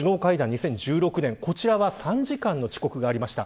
２０１６年こちらは３時間の遅刻がありました。